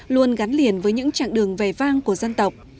luôn gắn liền với những trạng đường vẻ vang của dân tộc